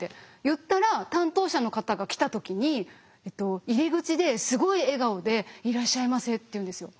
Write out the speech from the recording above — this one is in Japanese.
言ったら担当者の方が来た時に入り口ですごい笑顔で「いらっしゃいませ」って言うんですよ。